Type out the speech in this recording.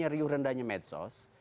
riu rendahnya medsos